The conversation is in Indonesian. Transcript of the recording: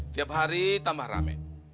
tiap hari tambah rame